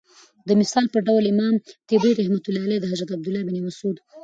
دمثال په ډول امام طبري رحمة الله عليه دحضرت عبدالله بن مسعود